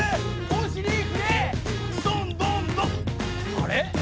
あれ？